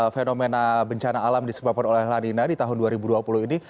fenomena bencana alam disebabkan oleh lanina di tahun dua ribu dua puluh ini